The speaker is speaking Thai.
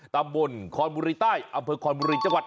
ตำบลคอนบุรีใต้อำเภอคอนบุรีจังหวัด